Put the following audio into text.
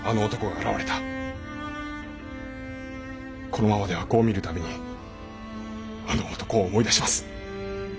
このままでは子を見るたびにあの男を思い出します。